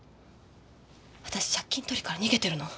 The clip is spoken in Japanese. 私借金取りから逃げてるの。